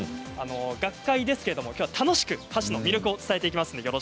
学会ですけれども、きょうは楽しく箸の魅力を伝えていきます。